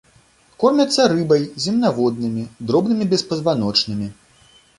Кормяцца рыбай, земнаводнымі, дробнымі беспазваночнымі.